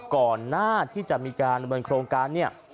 ก่อนหน้าที่จะมีการดำเนินโครงการเนี่ย